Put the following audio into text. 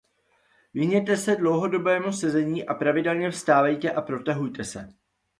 Vyhněte se dlouhodobému sezení a pravidelně vstávejte a protahujte se.